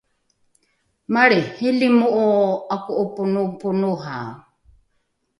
malriihilimo’o ’ako’oponoponohae